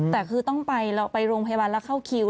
แต่คือต้องไปโรงพยาบาลแล้วเข้าคิว